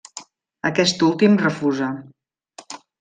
Aquest últim refusa.